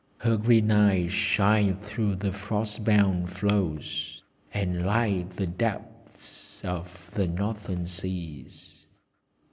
Her green eyes shine through the frost bound floes, and light the depths of the Northern seas."